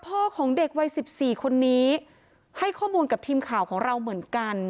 พ่อของเด็กวัย๑๔คนนี้ให้ข้อมูลกับทีมข่าวของเราเหมือนกัน